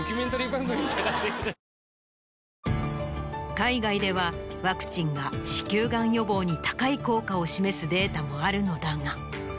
海外ではワクチンが子宮がん予防に高い効果を示すデータもあるのだが。